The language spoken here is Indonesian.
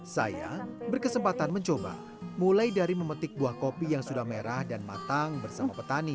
saya berkesempatan mencoba mulai dari memetik buah kopi yang sudah merah dan matang bersama petani